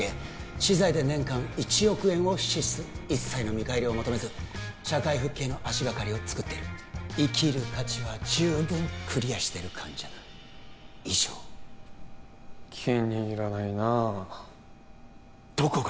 私財で年間１億円を支出一切の見返りを求めず社会復帰への足がかりをつくってる生きる価値は十分クリアしてる患者だ以上気に入らないなあどこが？